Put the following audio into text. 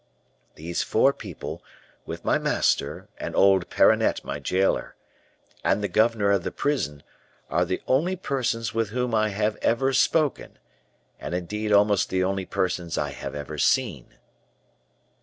These four people, with my master, and old Perronnette, my jailer, and the governor of the prison, are the only persons with whom I have ever spoken, and, indeed, almost the only persons I have ever seen."